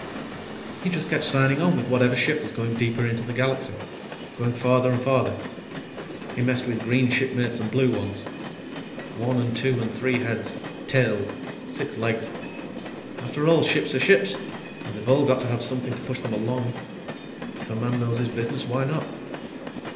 He just kept signing on with whatever ship was going deeper into the galaxy, going farther and farther. He messed with green shipmates and blue ones. One and two and three heads, tails, six legs after all, ships are ships and they've all got to have something to push them along. If a man knows his business, why not?